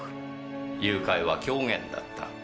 誘拐は狂言だった。